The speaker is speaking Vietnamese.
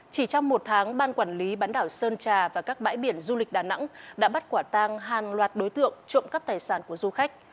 chỉ trong một tháng ban quản lý bán đảo sơn trà và các bãi biển du lịch đà nẵng đã bắt quả tang hàng loạt đối tượng trộm cắp tài sản của du khách